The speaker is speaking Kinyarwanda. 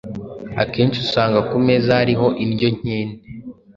Akenshi usanga ku meza hariho indyo nkene.